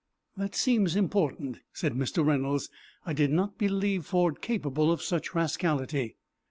"That seems important," said Mr. Reynolds. "I did not believe Ford capable of such rascality."